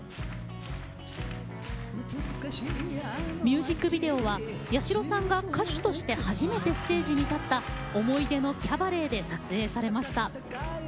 ミュージックビデオは八代さんが歌手として初めてステージに立った思い出のキャバレーで撮影されました。